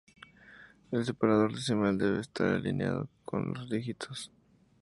El separador decimal debe estar alineado con los dígitos.